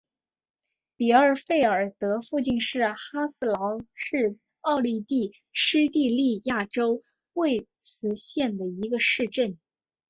比克费尔德附近哈斯劳是奥地利施蒂利亚州魏茨县的一个市镇。